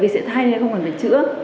tại vì sẽ thay nên không cần phải chữa